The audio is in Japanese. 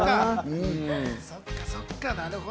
そっかそっか。